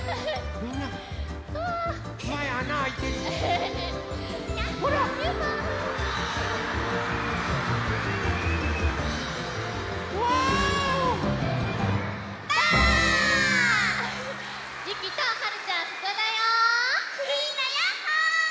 みんなやっほ！